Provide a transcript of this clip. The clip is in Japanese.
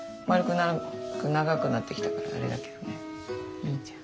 いいじゃん。